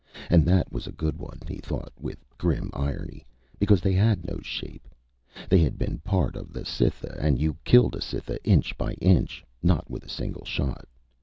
And that was a good one, he thought with grim irony, because they had no shape. They had been part of the Cytha and you killed a Cytha inch by inch, not with a single shot.